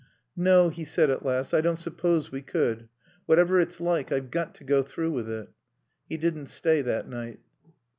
"No," he said at last. "I don't suppose we could. Whatever it's like I've got to go through with it." He didn't stay that night.